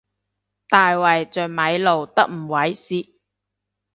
大衛像咪露得唔猥褻